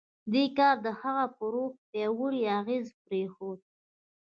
دې کار د هغه پر روح پیاوړی اغېز پرېښود